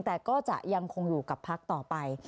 แต่ก็จะยังคงอยู่กับพักต่อไป